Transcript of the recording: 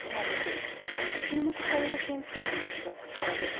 そして、注目される研究の１つがこちらです。